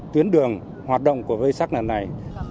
tuyến đường hoạt động của vây sắc này